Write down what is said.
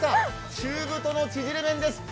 中太の縮れ麺です。